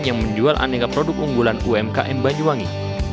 yang menjual aneka produk unggulan umkm banyuwangi